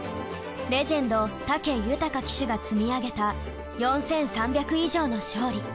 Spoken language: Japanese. レジェンド武豊騎手が積み上げた４，３００以上の勝利。